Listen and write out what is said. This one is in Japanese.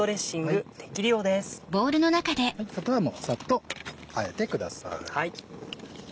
あとはもうサッとあえてください。